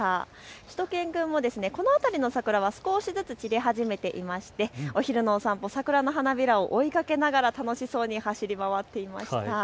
しゅと犬くんもこの辺りの桜が少しずつ散り始めていましてお昼のお散歩、桜の花びらを追いかけながら楽しそうに走り回っていました。